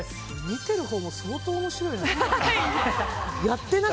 見てるほうも相当面白いな。